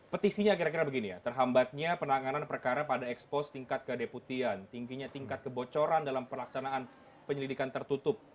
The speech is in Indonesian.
petisinya kira kira begini ya terhambatnya penanganan perkara pada ekspos tingkat kedeputian tingginya tingkat kebocoran dalam pelaksanaan penyelidikan tertutup